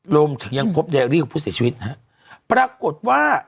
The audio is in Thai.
โรมยังพบใดอารีของผู้เสียชีวิตนะปรากฏว่า